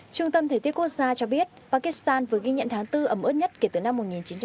trung tâm thể tiết quốc gia cho biết pakistan vừa ghi nhận tháng bốn ấm ướt nhất kể từ năm một nghìn chín trăm sáu mươi một